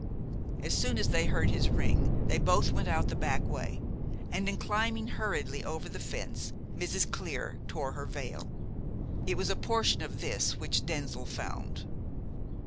As soon as they heard his ring they both went out the back way, and in climbing hurriedly over the fence Mrs. Clear tore her veil. It was a portion of this which Denzil found.